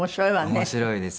面白いです。